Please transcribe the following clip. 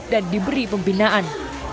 dan diberi pembinaan